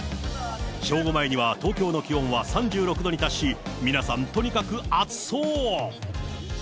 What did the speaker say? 正午前には東京の気温は３６度に達し、皆さん、とにかく暑そう。